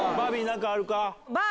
何かあるか？